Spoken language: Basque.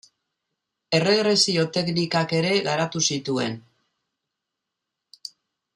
Erregresio teknikak ere garatu zituen.